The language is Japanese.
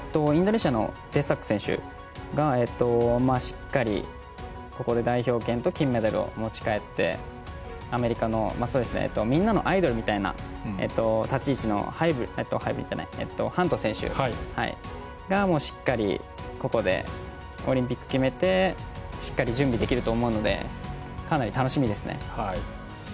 インドネシアのデサク選手がしっかり、ここで代表権と金メダルを持ち帰ってみんなのアイドルみたいな立ち位置のハント選手がしっかりオリンピック決めてしっかり準備できると思うのでかなり楽しみですね。